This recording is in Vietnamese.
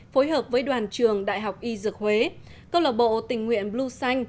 phối hợp với đoàn trường đại học y dược huế câu lạc bộ tình nguyện bluesan